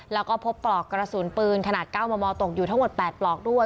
แล้วก็พบปลอกกระสุนปืนขนาด๙มมตกอยู่ทั้งหมด๘ปลอกด้วย